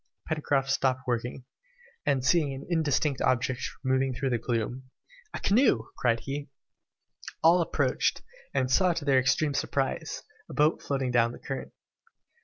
Pencroft stopped working, and seeing an indistinct object moving through the gloom, "A canoe!" cried he. All approached, and saw to their extreme surprise, a boat floating down the current.